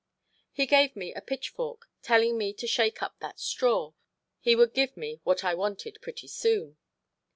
He gave me a pitchfork, telling me to shake up that straw, he would give me what I wanted pretty soon.